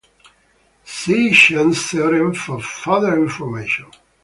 See Chen's theorem for further information.